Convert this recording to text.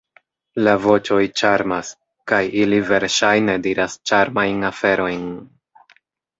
La voĉoj ĉarmas, kaj ili verŝajne diras ĉarmajn aferojn.